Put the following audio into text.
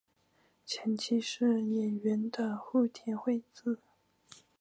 前妻是演员的户田惠子。